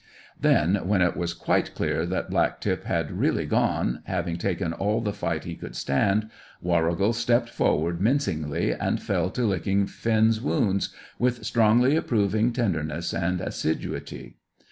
Then, when it was quite clear that Black tip had really gone, having taken all the fight he could stand, Warrigal stepped forward mincingly and fell to licking Finn's wounds, with strongly approving tenderness and assiduity.